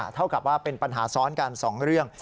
เท่ากับว่าเป็นปัญหาซ้อนกัน๒เรื่อง